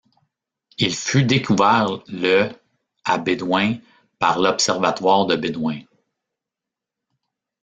Il fut découvert le à Bédoin par l'observatoire de Bédoin.